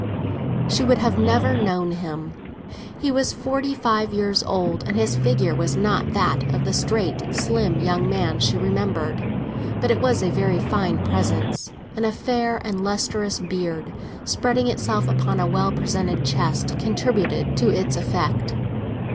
She would never have known him. He was forty five years old, and his figure was not that of the straight, slim young man she remembered. But it was a very fine person, and a fair and lustrous beard, spreading itself upon a well presented chest, contributed to its effect.